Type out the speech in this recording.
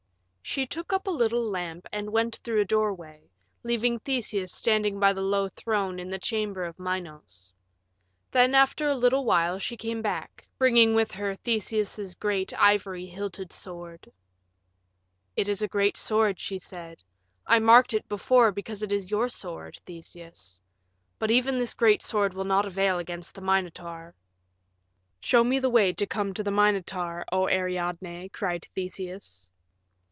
She took up a little lamp and went through a doorway, leaving Theseus standing by the low throne in the chamber of Minos. Then after a little while she came back, bringing with her Theseus's great ivory hilted sword. "It is a great sword," she said; "I marked it before because it is your sword, Theseus. But even this great sword will not avail against the Minotaur." "Show me the way to come to the Minotaur, O Ariadne," cried Theseus.